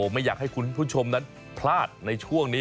ไม่อยากให้คุณผู้ชมนั้นพลาดในช่วงนี้